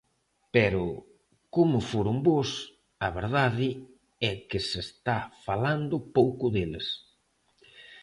Pero, como foron bos, a verdade é que se está falando pouco deles.